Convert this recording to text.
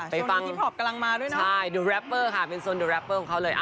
ไปฟังดูแรปเปอร์ค่ะเป็นโซนดูแรปเปอร์ของเขาเลย